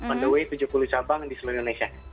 on the way tujuh puluh cabang di seluruh indonesia